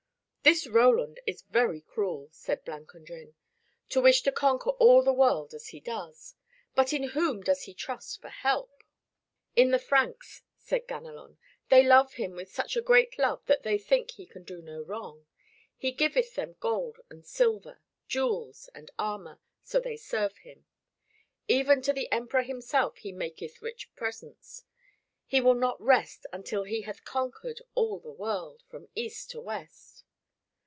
"This Roland is very cruel," said Blancandrin, "to wish to conquer all the world as he does. But in whom does he trust for help?" "In the Franks," said Ganelon. "They love him with such a great love that they think he can do no wrong. He giveth them gold and silver, jewels and armor, so they serve him. Even to the Emperor himself he maketh rich presents. He will not rest until he hath conquered all the world, from east to west."